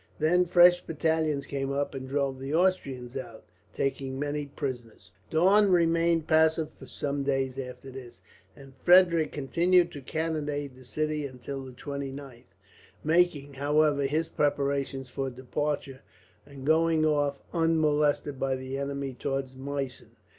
Then fresh battalions came up and drove the Austrians out, taking many prisoners. Daun remained passive for some days after this, and Frederick continued to cannonade the city until the 29th; making, however, his preparations for departure, and going off unmolested by the enemy towards Meissen.